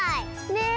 ねえ！